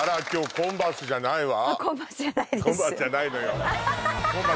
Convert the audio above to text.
コンバースじゃないのよ